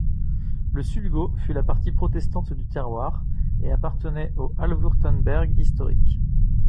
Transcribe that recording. Le Sulgau fut la partie protestante du terroir et appartenait au Altwürttemberg historique.